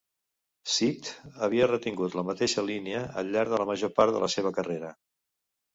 Sikth havia retingut la mateixa línia al llarg de la major part de la seva carrera.